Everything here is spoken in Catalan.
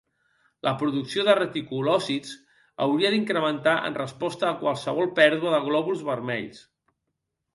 La producció de reticulòcits hauria d'incrementar en resposta a qualsevol pèrdua de glòbuls vermells.